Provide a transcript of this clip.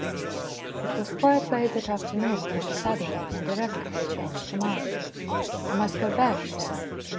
It was quite late that afternoon when she suddenly and irrevocably changed her mind. "I must go back," she said.